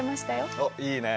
おっいいねえ！